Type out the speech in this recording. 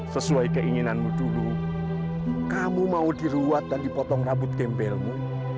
sesuai keinginanmu dulu kamu mau diruat dan dipotong rambut gembelmu